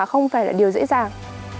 không phải là điều dễ dàng